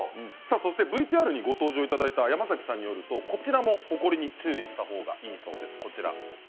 ＶＴＲにご登場いただいた山崎さんによるとこちらも、ほこりに注意した方がいいそうです。